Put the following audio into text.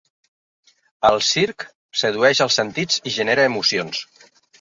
El circ sedueix els sentits i genera emocions.